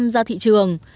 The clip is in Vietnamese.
ra thị trường